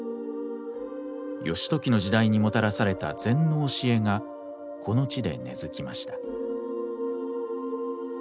義時の時代にもたらされた禅の教えがこの地で根づきました。